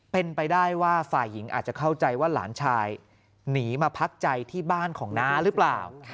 เป็นไปได้ว่าฝ่ายหญิงอาจจะเข้าใจว่าหลานชายหนีมาพักใจที่บ้านของน้าหรือเปล่า